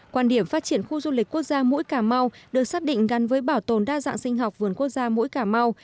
quan điểm phát triển khu du lịch quốc gia mũi cà mau được xác định gắn với bảo tồn đa dạng sinh học vườn quốc gia mũi cà mau